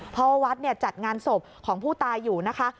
เพราะวัดจัดงานศพของผู้ตายอยู่นะคะ